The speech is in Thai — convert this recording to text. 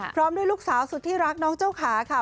พร้อมด้วยลูกสาวสุดที่รักน้องเจ้าขาค่ะ